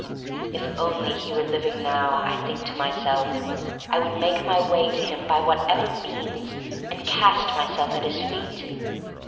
If only he were living now, I think to myself, I would make my way to him by whatever means and cast myself at his feet.